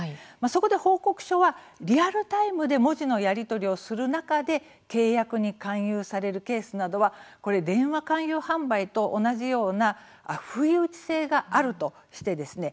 そこで報告書は、リアルタイムで文字のやり取りをする中で契約に勧誘されるケースなどは電話勧誘販売と同じような不意打ち性があるとしてですね